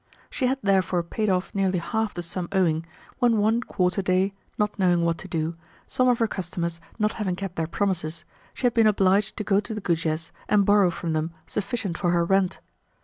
She had therefore paid off nearly half the sum owing, when one quarter day, not knowing what to do, some of her customers not having kept their promises, she had been obliged to go to the Goujets and borrow from them sufficient for her rent.